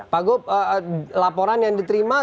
pak gop laporan yang diterima